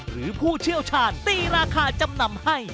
ผู้เชี่ยวชาญตีราคาจำนำให้